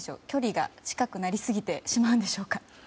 距離が近くなりすぎてしまうんでしょうか。